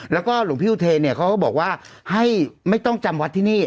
แล้วก็หลวงพี่อุเทนเนี่ยเขาก็บอกว่าให้ไม่ต้องจำวัดที่นี่